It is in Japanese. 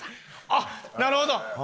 あっなるほど！